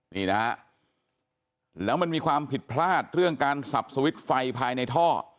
นี่นะฮะแล้วมันมีความผิดพลาดเรื่องการสับสวิตช์ไฟภายในท่อ